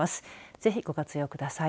ぜひ、ご活用ください。